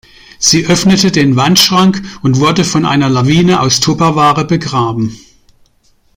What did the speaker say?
Sie öffnete den Wandschrank und wurde von einer Lawine aus Tupperware begraben.